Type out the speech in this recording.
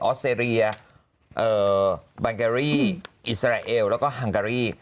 อสเตรเลียบังเกอรี่อิสราเอลแล้วก็ฮังการี